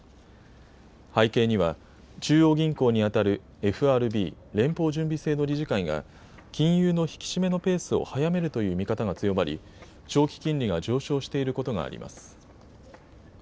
背景には中央銀行にあたるＦＲＢ・連邦準備制度理事会が金融の引き締めのペースを速めるという見方が強まり長期金利が上昇していることがあります。